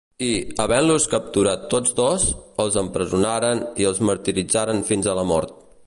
I, havent-los capturats tots dos, els empresonaren i els martiritzaren fins a la mort.